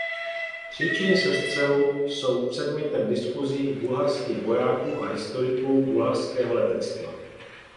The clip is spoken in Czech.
Příčiny sestřelu jsou předmětem diskusí bulharských vojáků a historiků bulharského letectva.